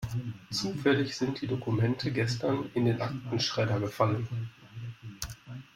Zufällig sind die Dokumente gestern in den Aktenschredder gefallen.